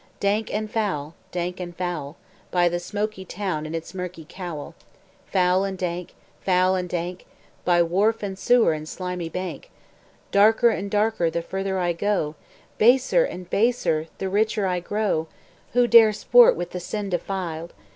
Dank and foul, dank and foul, By the smoky town in its murky cowl; Foul and dank, foul and dank, By wharf and sewer and slimy bank; Darker and darker the further I go, Baser and baser the richer I grow; Who dare sport with the sin defiled?